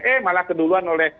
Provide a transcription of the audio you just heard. eh malah keduluan oleh